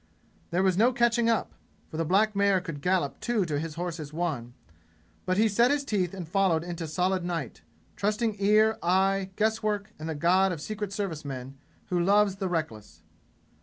There was no catching up, for the black mare could gallop two to his horse's one; but he set his teeth and followed into solid night, trusting ear, eye, guesswork and the God of Secret Service men who loves the reckless.